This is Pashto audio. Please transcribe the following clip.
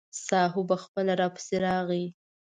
ساهو به خپله راپسې راغی.